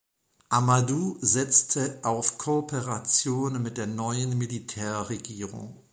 Amadou setzte auf Kooperation mit der neuen Militärregierung.